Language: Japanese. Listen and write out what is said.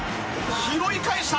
拾い返した！